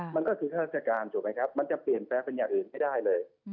มันก็คือฆาติการมันจะเปลี่ยนแปลกเป็นอย่างอื่นไม่ได้เลย